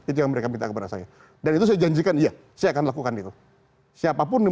itu yang mereka minta kepada saya dan itu saya janjikan iya saya akan lakukan itu siapapun yang